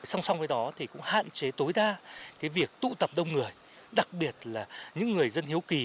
song song với đó thì cũng hạn chế tối đa việc tụ tập đông người đặc biệt là những người dân hiếu kỳ